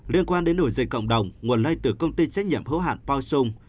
liên quan đến nổi dịch cộng đồng nguồn lây từ công ty trách nhiệm hữu hạn pao sung